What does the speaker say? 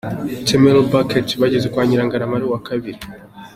Temalew Bereket bageze kwa Nyirangarama ari uwa kabiri.